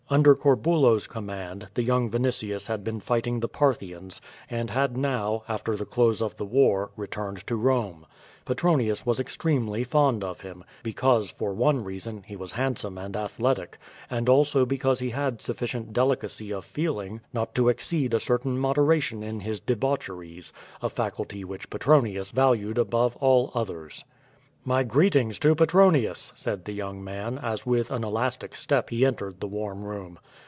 Under Corbulo's command, the young Vinitius had been fighting the Parthians, and had now, after the close of the war, returned to Bome. Petronius was extremely fond of him, because, for one reason he was handsome and athletic; and also because he had sufScient del icacy of feeling not to exceed a certain moderation in his de baucheries— a faculty which Petronius valued above all others. '^y greetings to Petronius,'^ said the young man, as with an elastic step he entered the warm room.